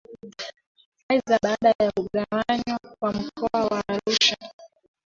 Aidha baada ya kugawanywa kwa Mkoa wa Arusha